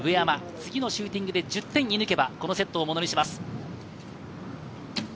次のシューティングで１０点を取れば、このセットをものにします。